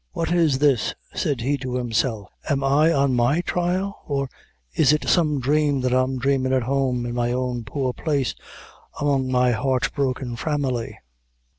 "What is this," said he to himself; "am I on my trial? or is it some dhrame that I'm dhramin' at home in my own poor place among my heart broken family?"